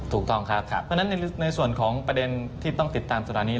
ถูกต้องครับเพราะฉะนั้นในส่วนของประเด็นที่ต้องติดตามสถานี